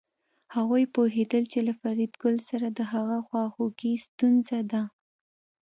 هغوی پوهېدل چې له فریدګل سره د هغه خواخوږي ستونزه ده